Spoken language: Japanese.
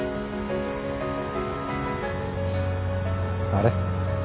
あれ？